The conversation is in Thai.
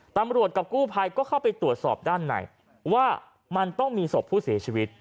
ตำรวจกับกู้ภัยก็เข้าไปตรวจสอบด้านในว่ามันต้องมีศพผู้เสียชีวิต